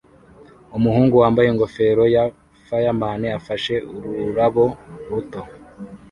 Umuhungu wambaye ingofero ya fireman afashe ururabo ruto